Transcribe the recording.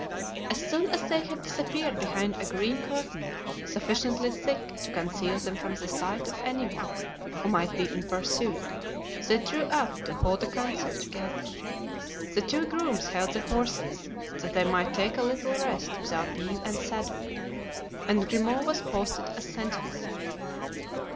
As soon as they had disappeared behind a green curtain sufficiently thick to conceal them from the sight of any one who might be in pursuit they drew up to hold a council together. The two grooms held the horses, that they might take a little rest without being unsaddled, and Grimaud was posted as sentinel.